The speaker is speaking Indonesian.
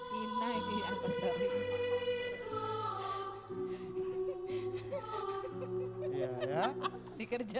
bukanku padiku suku hatiku ketauan